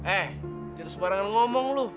eh jangan separangan ngomong lu